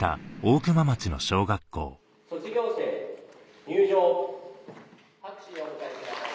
・卒業生入場・・拍手でお迎えください